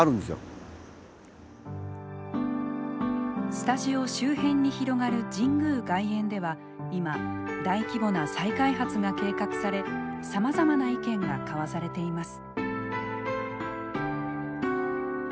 スタジオ周辺に広がる神宮外苑では今大規模な再開発が計画されさまざまな意見が交わされています。